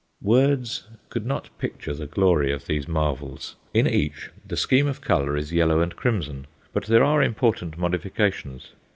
Words could not picture the glory of these marvels. In each the scheme of colour is yellow and crimson, but there are important modifications.